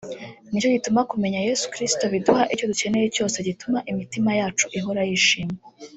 Nicyo gituma kumenya Yesu Kristo biduha icyo dukeneye cyose gituma imitima yacu ihora yishimye